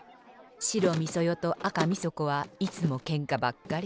白みそ代と赤みそ子はいつもけんかばっかり。